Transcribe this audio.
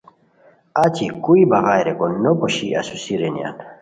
اچی کوئی بغائے ریکو نوپوشی اسوسی رینیان!